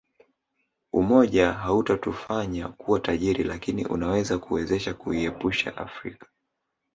Umoja hautatufanya kuwa tajiri lakini unaweza kuwezesha kuiepusha Afrika